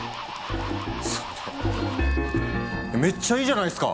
それめっちゃいいじゃないすか！